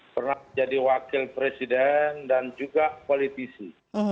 pernah jadi wakil presiden dan juga politisi